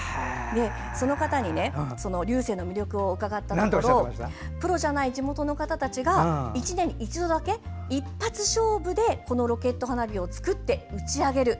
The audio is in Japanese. その方に龍勢の魅力を伺ったところプロじゃない地元の方たちが１年に一度だけ一発勝負でこのロケット花火を作って打ち上げる。